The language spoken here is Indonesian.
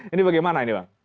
ini bagaimana ini bang